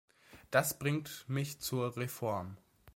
Das bringt mich zur Reform.